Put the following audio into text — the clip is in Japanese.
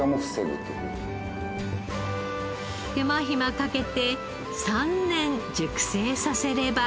手間ひまかけて３年熟成させれば。